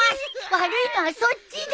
悪いのはそっちで。